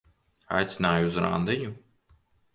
Aicināja uz randiņu?